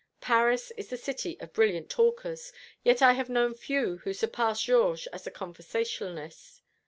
Paris is the city of brilliant talkers, yet I have known few who surpassed Georges as a conversationalist.